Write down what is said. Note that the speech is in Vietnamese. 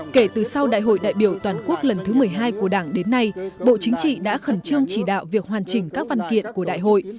kể từ sau đại hội đại biểu toàn quốc lần thứ một mươi hai của đảng đến nay bộ chính trị đã khẩn trương chỉ đạo việc hoàn chỉnh các văn kiện của đại hội